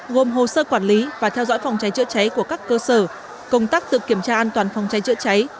gồm hồ sơ quản lý và theo dõi phòng cháy chữa cháy của các cơ sở công tác tự kiểm tra an toàn phòng cháy chữa cháy